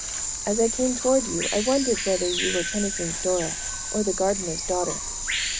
As I came toward you, I wondered whether you were Tennyson's 'Dora' or 'The Gardener's Daughter.'"